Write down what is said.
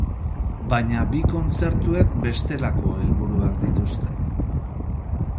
Baina bi kontzertuek bestelako helburuak dituzte.